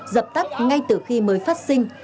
dập tắt ngay từ khi mới phát sinh